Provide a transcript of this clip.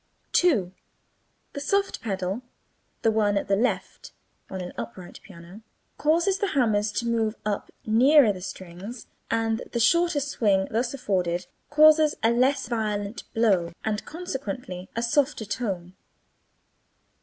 2. The soft pedal (the one at the left) in an upright piano causes the hammers to move up nearer the strings, and the shorter swing thus afforded causes a less violent blow and consequently a softer tone.